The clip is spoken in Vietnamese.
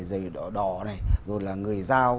giày đỏ này rồi là người dao